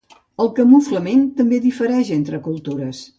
El camuflament també difereix entre cultures.